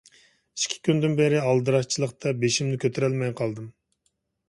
ئىككى كۈندىن بېرى ئالدىراشچىلىقتا بېشىمنى كۆتۈرەلمەي قالدىم.